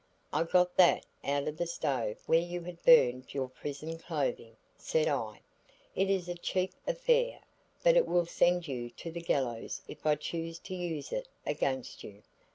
"I got that out of the stove where you had burned your prison clothing," said I. "It is a cheap affair, but it will send you to the gallows if I choose to use it against you.